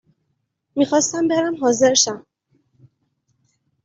می خواستم برم حاضر شم